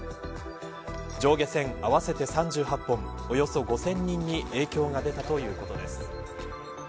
上下線合わせて３８本およそ５０００人に影響が出たということです。